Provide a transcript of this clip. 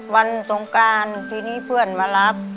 สงการทีนี้เพื่อนมารับ